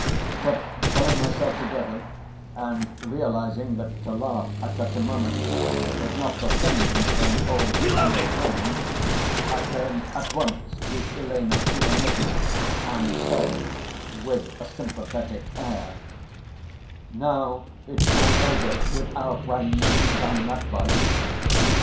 But pulling myself together and realising that to laugh at such a moment was not the thing for an old family friend, I turned at once to Elena Ivanovna and said with a sympathetic air: "Now it's all over with our friend Ivan Matveitch!"